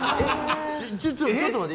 ちょっと待って。